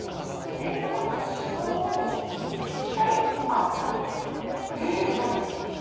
全部がこうそのものにぴったり合ったサイズで包まれてますね。